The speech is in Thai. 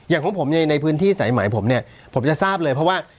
ของผมในพื้นที่สายไหมผมเนี่ยผมจะทราบเลยเพราะว่า